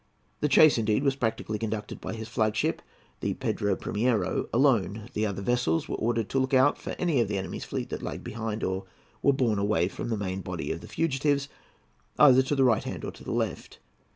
The chase, indeed, was practically conducted by his flag ship, the Pedro Primiero, alone. The other vessels were ordered to look out for any of the enemy's fleet that lagged behind or were borne away from the main body of the fugitives, either to the right hand or to the left.